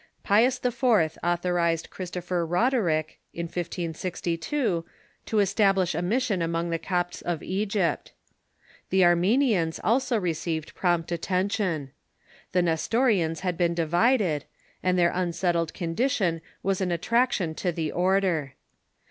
Pius IV. authorized Chris topher Roderic, in 1562, to establish a mission among the Copts of Egypt. The Armenians also received prompt atten tion. The Nestorians had been divided, and their unsettled condition was an attraction to the order.